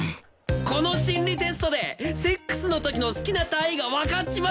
この心理テストでセックスの時の好きな体位がわかっちまうんだ！